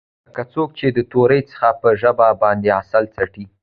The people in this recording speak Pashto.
لکه څوک چې د تورې څخه په ژبه باندې عسل څټي.